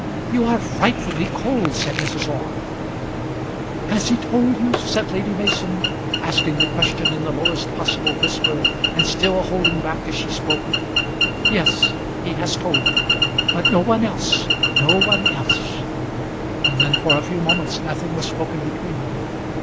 "You are frightfully cold," said Mrs. Orme. "Has he told you?" said Lady Mason, asking the question in the lowest possible whisper, and still holding back as she spoke. "Yes; he has told me; but no one else no one else." And then for a few moments nothing was spoken between them.